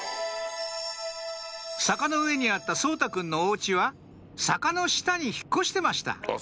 坂の上にあった颯太くんのお家は坂の下に引っ越してました